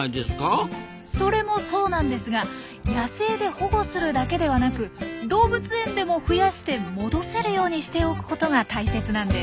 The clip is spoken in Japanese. それもそうなんですが野生で保護するだけではなく動物園でも増やして戻せるようにしておくことが大切なんです。